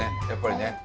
やっぱりね。